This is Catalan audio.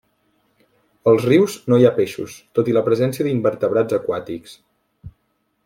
Als rius no hi ha peixos tot i la presència d'invertebrats aquàtics.